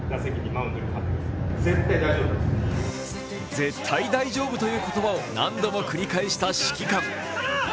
絶対大丈夫という言葉を何度も繰り返した指揮官。